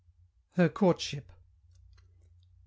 HER COURTSHIP. CC.